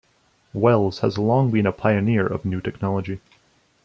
Wells has long been a pioneer of new technology.